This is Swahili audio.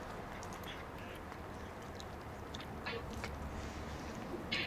Felix Tshisekedi alitia saini mkataba wa kujiunga katika hafla iliyofanyika Ikulu ya Nairobi